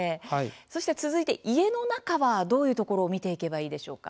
そして続いて家の中はどういうところを見ていけばいいでしょうか。